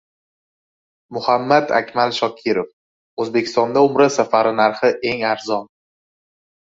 Muhammad-Akmal Shokirov: “O‘zbekistonda umra safari narxi eng arzon”